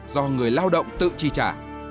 do người lao động tự chi trả